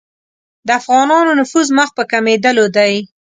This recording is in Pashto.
د افغانانو نفوذ مخ په کمېدلو دی.